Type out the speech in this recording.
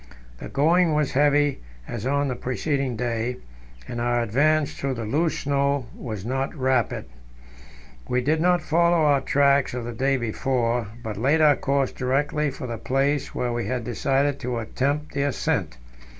The going was heavy, as on the preceding day, and our advance through the loose snow was not rapid. We did not follow our tracks of the day before, but laid our course directly for the place where we had decided to attempt the ascent.